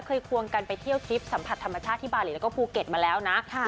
ควงกันไปเที่ยวทริปสัมผัสธรรมชาติที่บาลีแล้วก็ภูเก็ตมาแล้วนะ